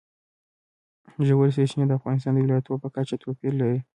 ژورې سرچینې د افغانستان د ولایاتو په کچه توپیر لري.